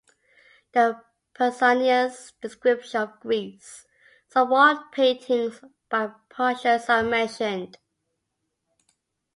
In Pausanias' Description of Greece some wall paintings by Pausias are mentioned.